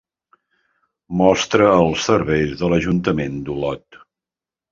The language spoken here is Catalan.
Mostrar els serveis de l'Ajuntament d'Olot.